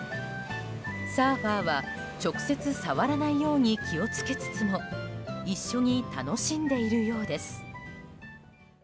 サーファーは直接触らないように気を付けつつも一緒に楽しんでいるようです。